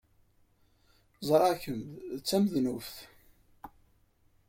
Ẓriɣ kemm d tamednubt.